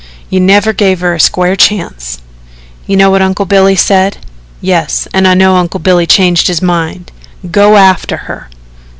You never gave her a square chance." "You know what Uncle Billy said?" "Yes, an' I know Uncle Billy changed his mind. Go after her."